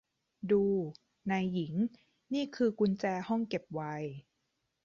ดู นายหญิง นี่คือกุญแจห้องเก็บไวน์